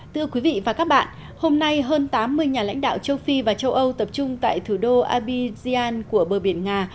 thưa quý vị và các bạn hôm nay hơn tám mươi nhà lãnh đạo châu phi và châu âu tập trung tại thủ đô abijian của bờ biển nga